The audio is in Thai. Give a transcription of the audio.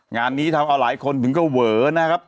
งานนี้ทำเอาหลายคนถึงก็เวอนะครับ